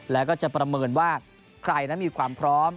แล้วก็จะประเมินว่าใครนั้นมีความพร้อม